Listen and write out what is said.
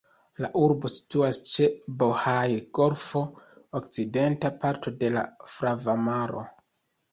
La urbo situas ĉe la Bohaj-golfo, okcidenta parto de la Flava Maro.